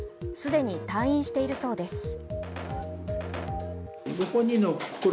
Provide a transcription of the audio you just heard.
既に退院しているそうです。